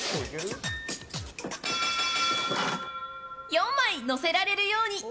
４枚載せられるように。